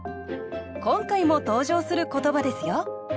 今回も登場する言葉ですよ